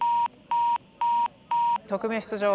特命出場。